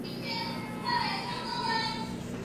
周元王封勾践为伯。